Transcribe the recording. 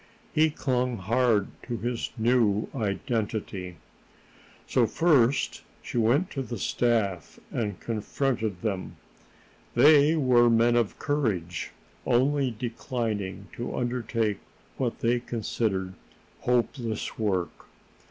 He clung hard to his new identity. So first she went to the staff and confronted them. They were men of courage, only declining to undertake what they considered hopeless work.